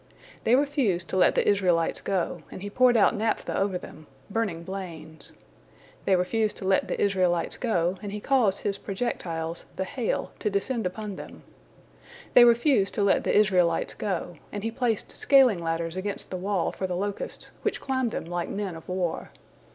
They refused to let the Israelites go, and He poured out naphtha over them, burning blains. They refused to let the Israelites go, and He caused His projectiles, the hail, to descend upon them. They refused to let the Israelites go, and He placed scaling ladders against the wall for the locusts, which climbed them like men of war.